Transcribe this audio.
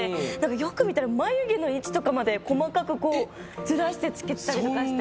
よく見たら眉毛の位置とかまで細かくずらしてつけてたりとかして。